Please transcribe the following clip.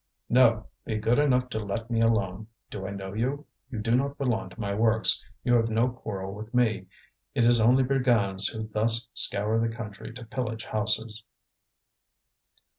"No! be good enough to let me alone! Do I know you? You do not belong to my works, you have no quarrel with me. It is only brigands who thus scour the country to pillage houses."